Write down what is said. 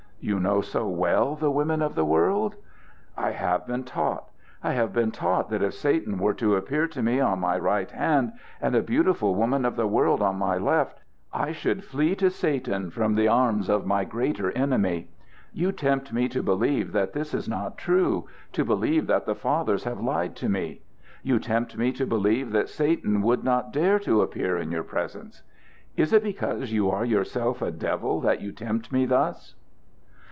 "You know so well the women of the world?" "I have been taught. I have been taught that if Satan were to appear to me on my right hand and a beautiful woman of the world on my left, I should flee to Satan from the arms of my greater enemy. You tempt me to believe that this is not true to believe that the fathers have lied to me. You tempt me to believe that Satan would not dare to appear in your presence. Is it because you are yourself a devil that you tempt me thus?"